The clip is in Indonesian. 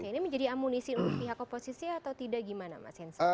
ini menjadi amunisi untuk pihak oposisi atau tidak gimana mas hensa